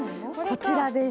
こちらです。